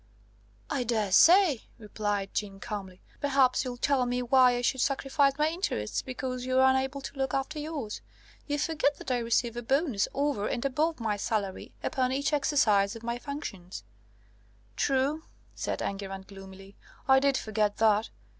"I daresay," replied Jeanne calmly: "perhaps you'll tell me why I should sacrifice my interests because you're unable to look after yours. You forget that I receive a bonus, over and above my salary, upon each exercise of my functions!" "True," said Enguerrand gloomily: "I did forget that.